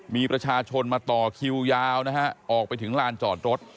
มีประชาชนมาต่อคิวยาวนะฮะออกไปถึงลานจอดรถ